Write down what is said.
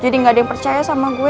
jadi gak ada yang percaya sama gue